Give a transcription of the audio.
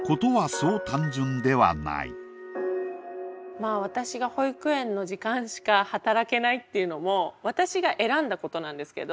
まあ私が保育園の時間しか働けないっていうのも私が選んだことなんですけど。